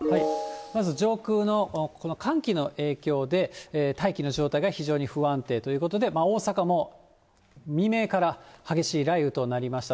まず上空のこの寒気の影響で、大気の状態が非常に不安定ということで、大阪も未明から激しい雷雨となりました。